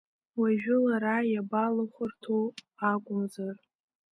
Уажәы лара иабалыхәарҭоу акәымзар.